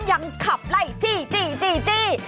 ยังขับไล่จี้จี้